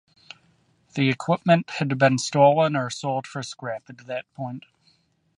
The equipment had been stolen or sold for scrap at that point.